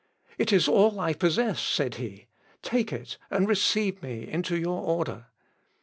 "It is all I possess," said he, "take it, and receive me into your order."